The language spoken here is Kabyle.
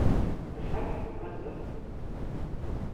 Acḥal i k-d-mazal?